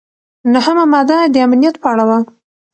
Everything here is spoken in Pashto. نهمه ماده د امنیت په اړه وه.